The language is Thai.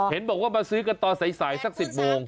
เห็นบอกว่ามาซื้อกันตอนสายสัก๑๐โมง